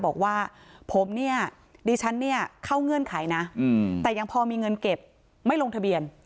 บอกว่าผมเนี่ยดิฉันเนี่ยเข้าเงื่อนไขนะแต่ยังพอมีเงินเก็บไม่ลงทะเบียน